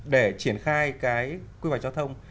để triển khai cái quy hoạch giao thông